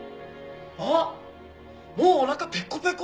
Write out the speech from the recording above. あっもうお腹ペコペコ！